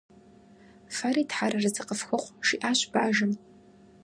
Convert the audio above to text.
- Фэри Тхьэр арэзы къыфхухъу, - жиӏащ бажэм.